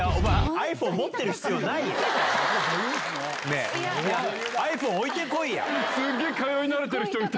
ｉＰｈｏｎｅ置いて来いや！